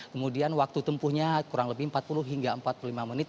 kemudian waktu tempuhnya kurang lebih empat puluh hingga empat puluh lima menit